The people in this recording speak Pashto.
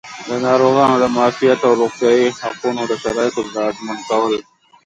د ناروغانو د معافیت او روغتیایي حقونو د شرایطو ډاډمن کول